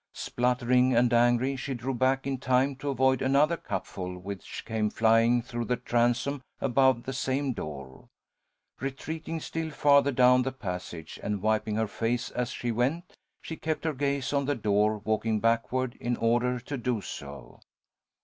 Spluttering and angry, she drew back in time to avoid another cupful, which came flying through the transom above the same door. Retreating still farther down the passage, and wiping her face as she went, she kept her gaze on the door, walking backward in order to do so.